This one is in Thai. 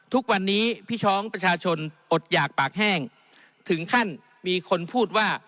ทุกวันนี้พี่น้องประชาชนอดหยากปากแห้งถึงขั้นมีคนพูดว่า